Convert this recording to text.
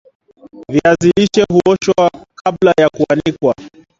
viazi lishe huoshwa kuoshwa kabla ya kuanikwa